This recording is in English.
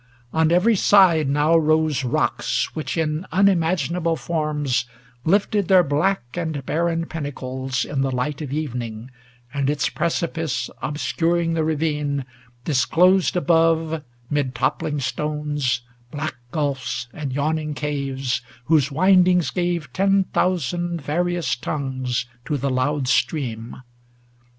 On every side now rose Rocks, which, in unimaginable forms, Lifted their black and barren piunacles In the light of evening, and its preci pice Obscuring the ravine, disclosed above, 'Mid toppling stones, black gulfs and yawn ing caves, Whose windings gave ten thousand various tongues To the loud stream.